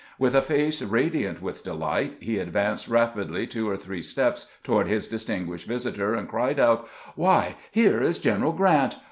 With a face radiant with delight, he advanced rapidly two or three steps toward his distinguished visitor, and cried out: "Why, here is General Grant!